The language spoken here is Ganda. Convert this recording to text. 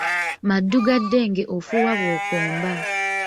Maddu ga ddenge ofuuwa bw’okomba.